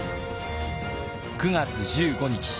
９月１５日